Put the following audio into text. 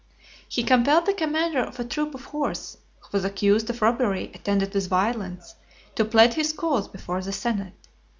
He compelled the commander of a troop of horse, who was accused of robbery attended with violence, to plead his cause before the senate.